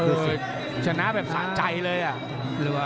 ชนะแบบสะใจเลยอ่ะ